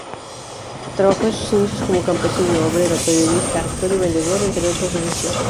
Trabajó en sus inicios como campesino, obrero, periodista, actor y vendedor, entre otros oficios.